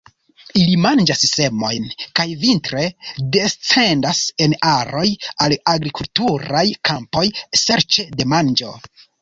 Ili manĝas semojn, kaj vintre descendas en aroj al agrikulturaj kampoj serĉe de manĝo.